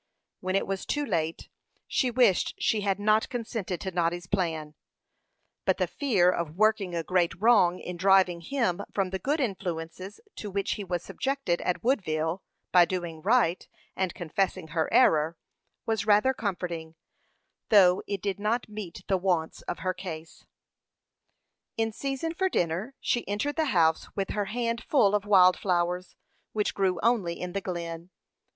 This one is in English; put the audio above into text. When it was too late, she wished she had not consented to Noddy's plan; but the fear of working a great wrong in driving him from the good influences to which he was subjected at Woodville, by doing right, and confessing her error, was rather comforting, though it did not meet the wants of her case. In season for dinner, she entered the house with her hand full of wild flowers, which grew only in the Glen.